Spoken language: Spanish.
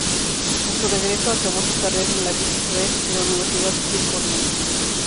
A su regreso, acabó su carrera en los "Big Red" de la Universidad Cornell.